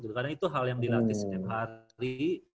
karena itu hal yang dilatih setiap hari